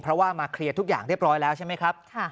เพราะว่ามาเคลียร์ทุกอย่างเรียบร้อยแล้วใช่ไหมครับ